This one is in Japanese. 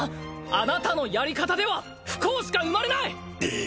あなたのやり方では不幸しか生まれない！